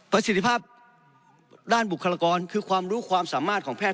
สิทธิภาพด้านบุคลากรคือความรู้ความสามารถของแพทย